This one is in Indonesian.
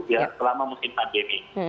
ya selama musim pandemi